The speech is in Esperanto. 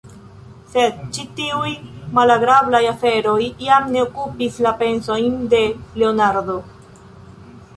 Sed ĉi tiuj malagrablaj aferoj jam ne okupis la pensojn de Leonardo.